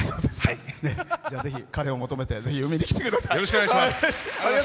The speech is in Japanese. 彼を求めてぜひ、海に来てください。